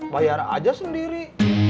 bayar saja sendiri